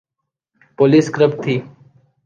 Police corrupt تھی۔